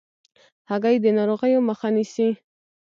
هګۍ د ناروغیو مخه نیسي.